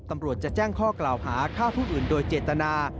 ตำรวจจะแจ้งข้อกล่าวหาฆ่าผู้อื่นโดยเจตนา